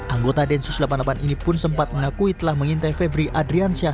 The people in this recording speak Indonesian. anggota densus delapan puluh delapan ini pun sempat mengakui telah mengintai febri adriansyah